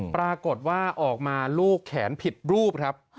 ปรากฏว่าออกมาลูกแขนผิดรูปครับ